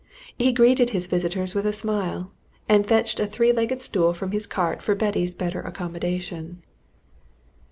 He greeted his visitors with a smile, and fetched a three legged stool from his cart for Betty's better accommodation.